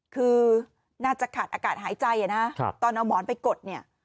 คือน่าจะขาดอากาศหายใจนะตอนเอาหมอนไปกดเนี่ย